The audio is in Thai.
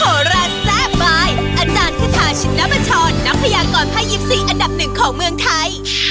โหราแซ่บลายอาจารย์คาทาชินบัชรนักพยากรภาค๒๔อันดับหนึ่งของเมืองไทย